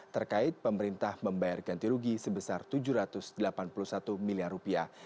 terkait pemerintah membayar ganti rugi sebesar tujuh ratus delapan puluh satu miliar rupiah